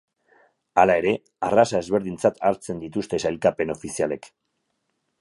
Hala ere, arraza ezberdintzat hartzen dituzte sailkapen ofizialek.